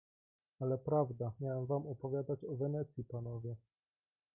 "Ale prawda, miałem wam opowiadać o Wenecji, panowie."